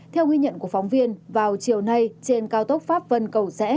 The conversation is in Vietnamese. theo ghi nhận của phóng viên vào chiều nay trên cao tốc pháp vân cầu rẽ